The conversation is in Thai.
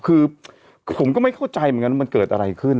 คือผมก็ไม่เข้าใจเหมือนกันว่ามันเกิดอะไรขึ้น